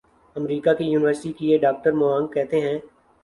امریکہ کی یونیورسٹی کیے ڈاکٹر موانگ کہتے ہیں